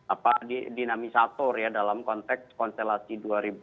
apa dinamisator ya dalam konteks konstelasi dua ribu dua puluh